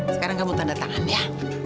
sekarang kamu tanda tangan ya